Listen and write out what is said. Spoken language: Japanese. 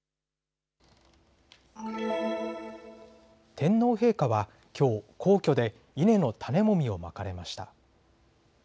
天皇陛下はきょう皇居で稲の種もみをまかれました。